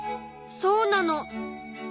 そうなの。